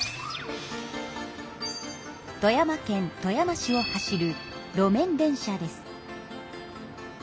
富山県富山市を走る路面電車です。